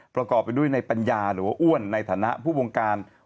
ประกอบไปด้วยในปัญญาหรือว่าอ้วนในฐานะผู้วงการ